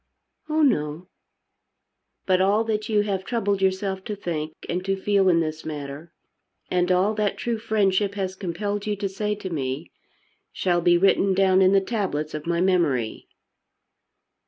"Oh no." "But all that you have troubled yourself to think and to feel in this matter, and all that true friendship has compelled you to say to me, shall be written down in the tablets of my memory."